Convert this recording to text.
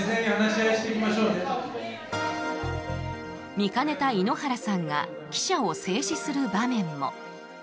見かねた井ノ原さんが記者を制止する場面も。